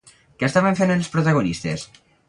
Què estaven fent els protagonistes?